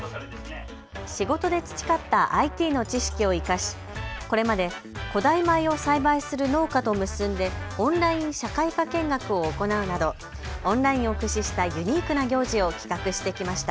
仕事で培ったＩＴの知識を生かしこれまで古代米を栽培する農家と結んでオンライン社会科見学を行うなどオンラインを駆使したユニークな行事を企画してきました。